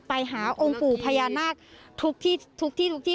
ไปหาองค์ปู่พญานาคทุกที่